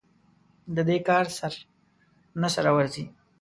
د دې کار سر نه سره ورځي.